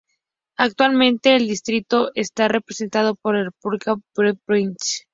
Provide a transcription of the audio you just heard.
Actualmente el distrito está representado por el Republicano Brett Guthrie.